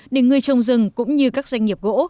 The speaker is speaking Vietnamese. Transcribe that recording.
để người trồng rừng cũng như các doanh nghiệp gỗ